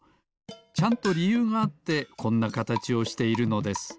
ちゃんとりゆうがあってこんなかたちをしているのです。